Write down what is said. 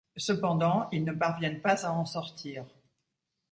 Cependant ils ne parviennent pas à en sortir.